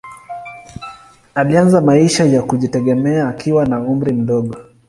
Alianza maisha ya kujitegemea akiwa na umri mdogo.